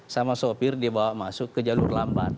sama sopir dibawa masuk ke jalur lambat